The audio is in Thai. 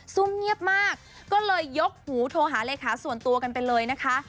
ซุ่มเงียบมากก็เลยยกหูโทรหาเลขาส่วนตัวกันไปเลยนะคะ